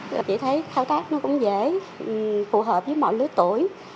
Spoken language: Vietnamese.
và chị thấy thao tác nó cũng dễ phù hợp với mọi lứa tuổi